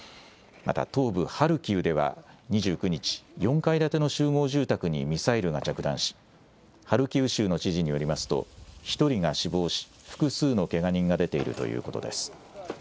また、東部ハルキウでは２９日、４階建ての集合住宅にミサイルが着弾し、ハルキウ州の知事によりますと、１人が死亡し、複数のけが人が出ているということです。